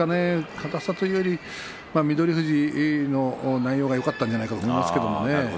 硬さというより翠富士の内容がよかったんじゃないかと思いますけれどね。